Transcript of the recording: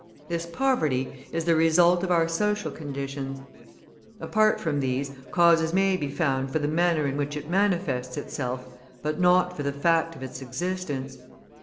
This poverty is the result of our social conditions; apart from these, causes may be found for the manner in which it manifests itself, but not for the fact of its existence.